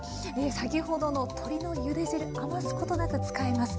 先ほどの鶏のゆで汁余すことなく使えます。